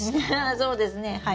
そうですねはい。